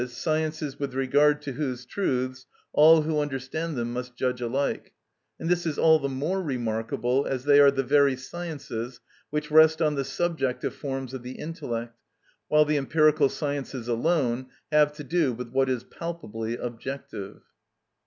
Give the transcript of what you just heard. _, sciences with regard to whose truths all who understand them must judge alike; and this is all the more remarkable as they are the very sciences which rest on the subjective forms of the intellect, while the empirical sciences alone have to do with what is palpably objective.